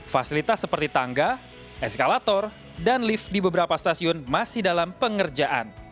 fasilitas seperti tangga eskalator dan lift di beberapa stasiun masih dalam pengerjaan